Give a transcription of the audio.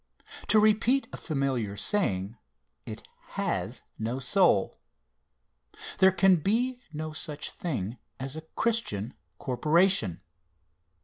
To repeat a familiar saying, "it has no soul." There can be no such thing as a Christian corporation.